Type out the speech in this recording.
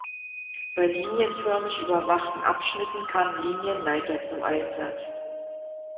Bei linienförmig überwachten Abschnitten kamen Linienleiter zum Einsatz.